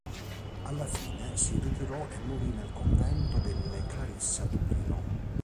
Alla fine si ritirò e morì nel convento delle Clarisse a Dublino.